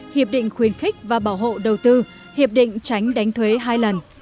hiệp định khuyến khích và bảo hộ đầu tư hiệp định tránh đánh thuế hai lần